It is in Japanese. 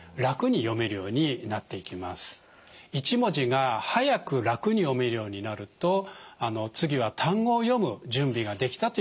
１文字が速く楽に読めるようになると次は単語を読む準備ができたということになります。